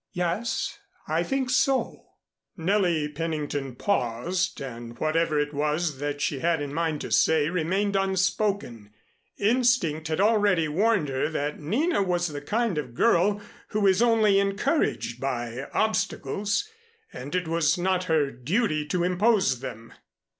"Yes, I think so " Nellie Pennington paused, and whatever it was that she had in mind to say remained unspoken. Instinct had already warned her that Nina was the kind of girl who is only encouraged by obstacles, and it was not her duty to impose them.